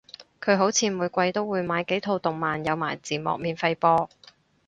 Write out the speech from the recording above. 佢好似每季都會買幾套動漫有埋字幕免費播